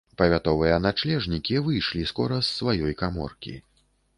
Павятовыя начлежнікі выйшлі скора з сваёй каморкі.